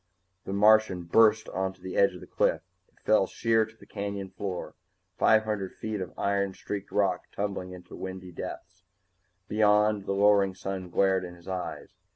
The Martian burst onto the edge of the cliff. It fell sheer to the canyon floor, five hundred feet of iron streaked rock tumbling into windy depths. Beyond, the lowering sun glared in his eyes.